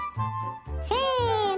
せの！